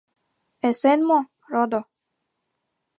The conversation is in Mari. Эсен мо, родо?